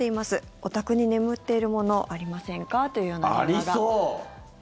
お宅に眠っているものありませんか？というような電話が。